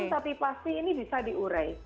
tapi pasti ini bisa diurai